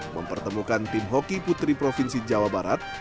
mempertemukan tim hoki putri provinsi jawa barat